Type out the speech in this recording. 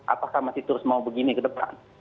apakah masih terus mau begini ke depan